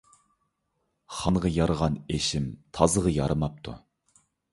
خانغا يارىغان ئېشىم تازغا يارىماپتۇ.